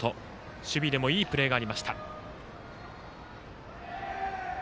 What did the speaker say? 守備でもいいプレーがありました。